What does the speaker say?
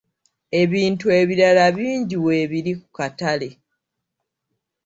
Ebintu ebirala bingi weebiri ku katale